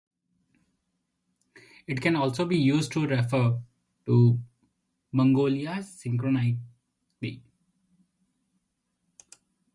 It can also be used to refer to Mongolia synchronically.